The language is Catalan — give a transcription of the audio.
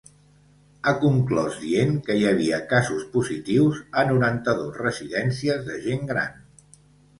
Ha conclòs dient que hi havia casos positius a noranta-dos residències de gent gran.